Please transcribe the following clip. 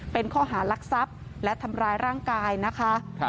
เป็นข้อหารักทรัพย์และทำร้ายร่างกายนะคะ